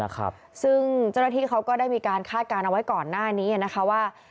ซึ่งเจ้าหน้าที่เขาก็ได้มีการคาดการณ์เอาไว้ก่อนหน้านี้นะคะว่า